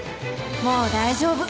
もう大丈夫。